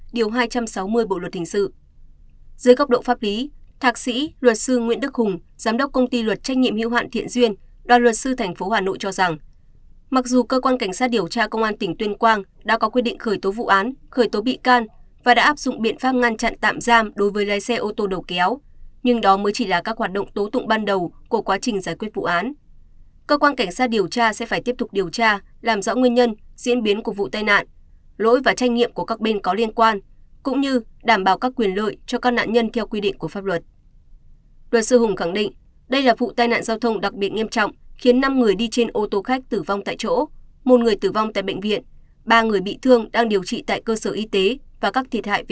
giới góc độ pháp lý thạc sĩ luật sư nguyễn đức hùng giám đốc công ty luật trách nhiệm hiệu hạn thiện duyên đoàn luật sư tp hà nội cho rằng mặc dù cơ quan cảnh sát điều tra công an tỉnh tuyên quang đã có quyết định khởi tố vụ án khởi tố bị can và đã áp dụng biện pháp ngăn chặn tạm giam đối với lê xe ô tô đầu kéo nhưng đó mới chỉ là các hoạt động tố tụng ban đầu của quá trình giải quyết vụ án khởi tố bị can và đã áp dụng biện pháp ngăn chặn tạm giam đối với lê xe ô tô đầu